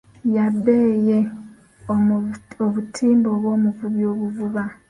Yabbeye obutimba obw'omuvubi obuvuba.